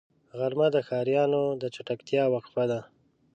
غرمه د ښاريانو د چټکتیا وقفه ده